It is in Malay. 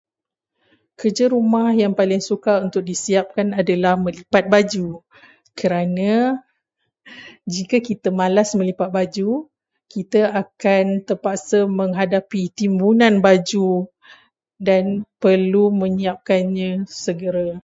Kerja rumah yang paling sukar untuk disiapkan adalah melipat baju kerana jika kita malas melipat baju, kita akan terpaksa menghadapi timbunan baju dan perlu menyiapkannya segera.